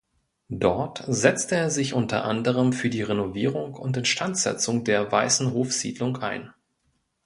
Dort setzte er sich unter anderem für die Renovierung und Instandsetzung der Weißenhofsiedlung ein.